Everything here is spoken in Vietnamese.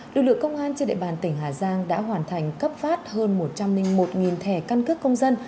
lực lượng công an trên địa bàn tỉnh hà giang đã hoàn thành cấp phát hơn một trăm linh một thẻ căn cước công dân